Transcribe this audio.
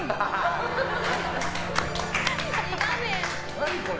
何これ？